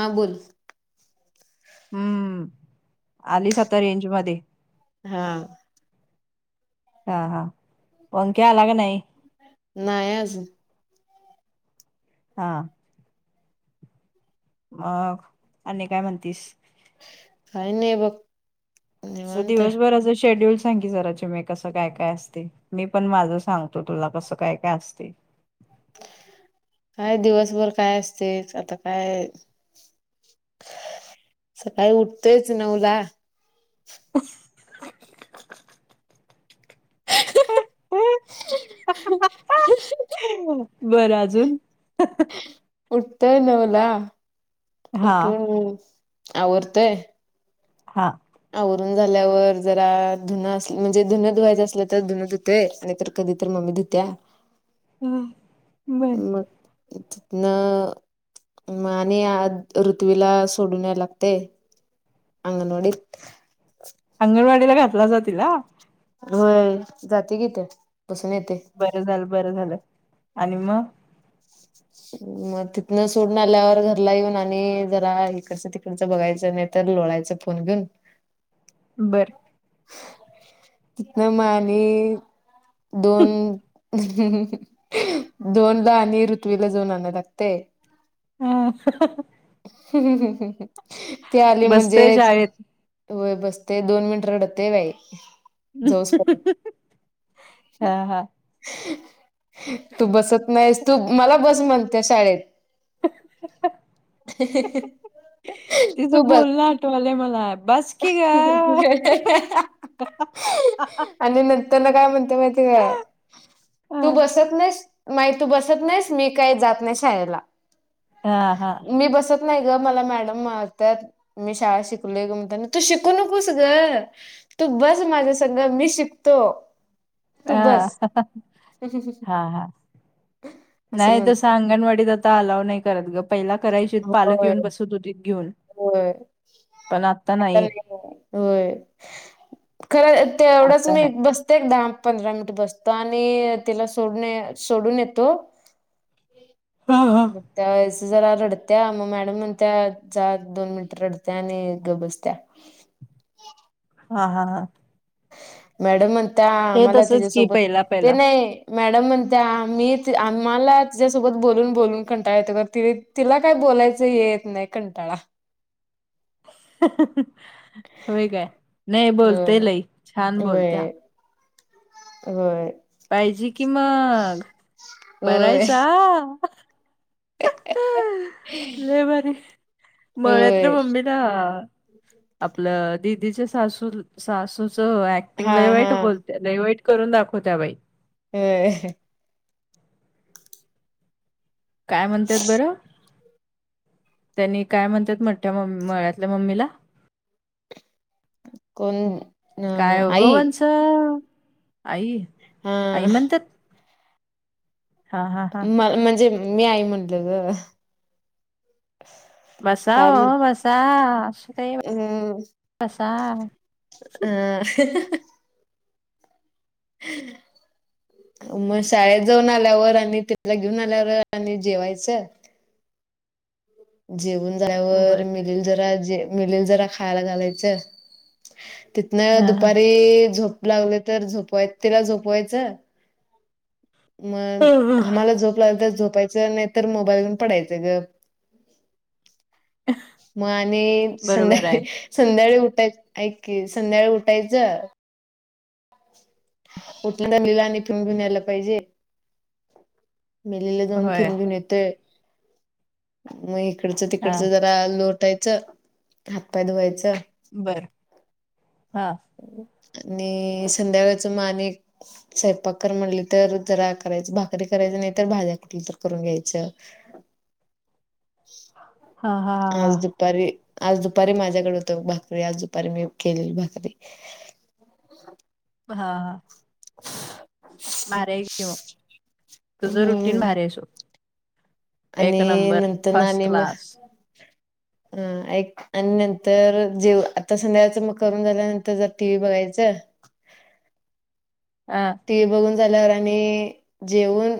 हां बोल हम्म आलीस आता रेंज मध्ये हा हा हा ओंमक्या आला क नई नाही अजून हा मग आणि काय म्हणतीस काही नाही बघ तुजं निवांत आहे दिवसभराच शेड्युल सांग की जरा चिमे कसं काय काय असते मी पण माझं सांगतो तुला कसं काय काय असते काय दिवसभर काय असतेच आता काय सकाळी उठतोयच नऊला [inaudible] [inaudible] बरं अजून उठतोय नऊला हां, उठून आवरतोयं हां आवरून झाल्यावर जरा धुनं अस म्हणजे धुनं धुवायचं असलं तर धुनं धुतय नाहीत कधी तर मम्मी धुत्या हम मग तितना आणि आ ऋथ्वीला सोडू न्याय लागते अंग नोडी अंगणवाडीला घातला जातील ना होय जाते किथ बसून येते बरं झालं बरं झालं आणि मग मग तिथनं सोडून आल्यावर घरला येऊन आणि जरा इकडच तिकडचं बघायचं नाही तर लोळायच फोन घेऊन बरं कितना माने दोन दोन ला आणि ऋथ्वीला दोन आणाव लागते ह ् ती आली बसतंय म्हणजेच शाळेत. होय बसते दोन मिनिट रडते वई जो हां, हां. तू बसत नाहीस तू मला बस म्हणते शाळेत तू तिचं बोल बस ना आटोले मला बस की ग. हा आणि नंतर ना काय म्हणते माहिती तू बसत नाहीस माही तू बसत नाहीस मी काही जात नाही शाळेला हा हा मी बसत नाही ग मला मॅडम माहत मी शाळा शिकलो म्हण तू शिकू नकोस घर तू बस माझ्या संगा मी शिकतो अ तू बस हा हा असं नाही तस म्हणते अंगणवाडीत ता अलाव नाही करत ग पहिला करायची पालक होय येऊन बसत होती घेऊन होय पण आता नाही हो खरं ते एवढंच आता मी नाही बसते एकदा पंधरा मिनिट बसत आणि तिला सोडून सोडून येतो हा हा म त्याच जरा रडत्या मग मॅडम म्हण त्या जा दोन मिनिट रडत्या आणि ग बसत्या हा हा हा मॅडम म्हण त्या ते आमला तसच की त्याच्यासोबत पहिला ते पहिला नाही मॅडम म्हणत मी आम्हाला तिच्यासोबत बोलून बोलून कंटाळ येतो ति तिला काय बोलायचं येत नाही कंटाळा हो काय नाही बोलते होय लई छान बोलत्या हो पाहिजे कि मग होय बरायचा र बारी मळत ना होय मम्मी आपलं दिदीच सासू सासूच ति हा हा लईवाईट बोलते लैवाईट करून दाखवत त्या बाई हम् काय म्हणतात बरं त्यांनी काय म्हणतात मठ्या मळ्यातल्या मम्मीला कोण अ काय हो आई गोवंश आई हा आई म्हणतात हा हा हा म म्हणजे मी आई म्हटले ग बसाव बसा. काही हम्म बसा हं. [inaudible] मग शाळेत जाऊन आल्यावर आणि त्याला घेऊन आल्यावर आणि जेवायचं जेवून जायवर बर मिलील जरा जे मिलील जरा खायला घालायचं तिथन हा हा दुपारी झोप लागले तर झोपवाय तिला झोपवायचं हो, मग आम्हाला झोप लाल तर झोपायचं नाहीतर मोबाईलुन पडायचं गप. मग आणि बरोबर आहे संध्या संध्याळी उठाय, ऐक की संध्याळी उठायचं. उठलं [unintelligible] घेऊन यायला पाहिजे. मेलीला जाऊन होय फिरुन घेऊन येतोय, मग इकडचं हा तिकडचं झा आ लोटायचं, हातपाय धुवायचं. बर, हा. आणि संध्याकाळच म अनेक स्वयपाक कर म्हणली तर जरा करायचं, भाकरी करायची नाही तर भाज्या कुठल्या तर करून घ्यायचं. हा हा हा आज दुपारी आज दुपारी माझ्याकडे होत भाकरी, आज दुपारी मी केली भाकरी. अहा हा. [inaudible] भारी हाय की म, तुझं रुटीन हम्म भारी हाय सोड. आणि नंतरन फर्स्ट आणि म, क्लास अम्म ऐक आणि नंतर जेव आता संध्याकाळचं मग करून झाल्यानंतर जर टी व्ही बघायचं. आ. ती बघून झाल्यावर आणि जेऊन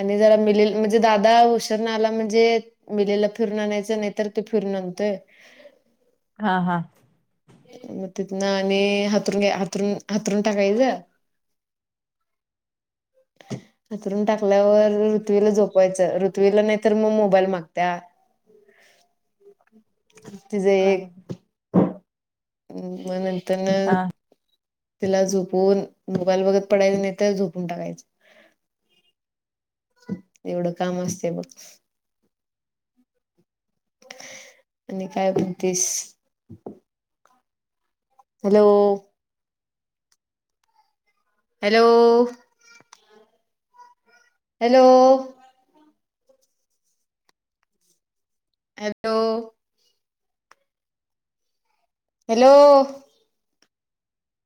आणि जरा मिलील म्हणजे दादा उशेरनं आला म्हणजे मिलेला फिरून आणायचं नाहीतर ते फिरून आणतोय. हा हा. मग तिथनं आणि हातरून घ्या हातरून हातरून टाकायचं. [inaudible] हतरून टाकल्यावर ऋथ्वीला झोपवायचं, ऋथ्वीला नाही तरर मग मोबाईल मागत्या. तिजं एक म हा नंतरन तिला झोपवून मोबाईल बगत पडायचं, नाही तर झोपून टाकायचं. एवढं काम असते बघ. आणि काय म्हणतीस? Hello. Hello. Hello. Hello. Hello.